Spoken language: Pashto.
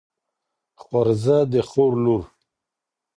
خورزه د خور لور